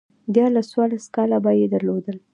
ديارلس، څوارلس کاله به يې درلودل